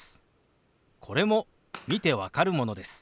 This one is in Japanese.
これも見て分かるものです。